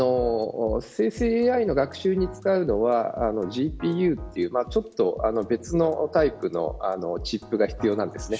生成ＡＩの学習に使うのはＧＰＵという別のタイプのチップが必要なんです。